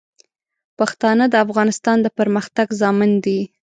پښتانه د افغانستان د پرمختګ ضامن دي.